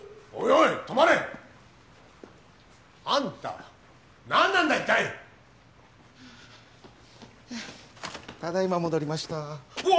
いやただいま戻りましたうわ！